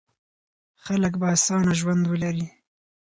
خلک به اسانه ژوند ولري.